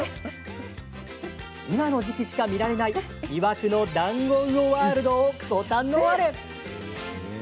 今の時期しか見られない魅惑のダンゴウオワールドをご堪能あれ。